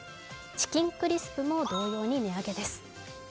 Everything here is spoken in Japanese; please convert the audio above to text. チキンクリスプも同様に値上げです。